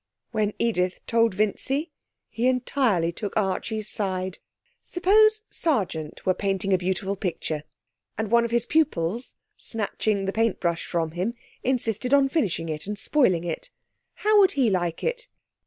When Edith told Vincy he entirely took Archie's side. Suppose Sargent were painting a beautiful picture, and one of his pupils, snatching the paint brush from him, insisted on finishing it, and spoiling it how would he like it?